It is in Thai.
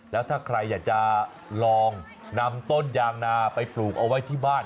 แล้วถ้าใครอยากจะลองนำต้นยางนาไปปลูกเอาไว้ที่บ้าน